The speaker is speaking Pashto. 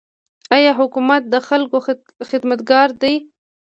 آیا حکومت د خلکو خدمتګار دی؟